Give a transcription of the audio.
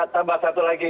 tambah satu lagi